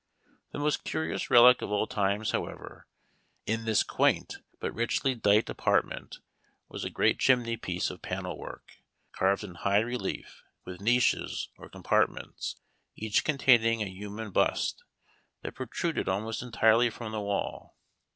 The most curious relic of old times, however, in this quaint but richly dight apartment, was a great chimney piece of panel work, carved in high relief, with niches or compartments, each containing a human bust, that protruded almost entirely from the wall.